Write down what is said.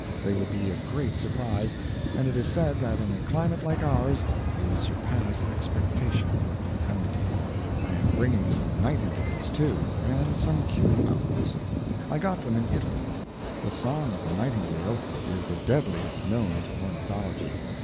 They will be a great surprise, and it is said that in a climate like ours they will surpass expectation for fecundity. I am bringing some nightingales, too, and some cue owls. I got them in Italy. The song of the nightingale is the deadliest known to ornithology.